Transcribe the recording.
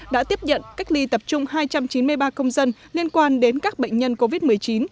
đã tiếp nhận cách ly tập trung hai trăm chín mươi ba công dân liên quan đến các bệnh nhân covid một mươi chín